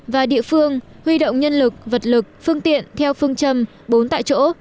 và địa phương huy động nhân lực vật lực phương tiện theo phương châm bốn tại chỗ